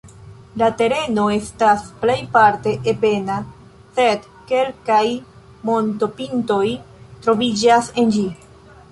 La tereno estas plejparte ebena, sed kelkaj montopintoj troviĝas en ĝi.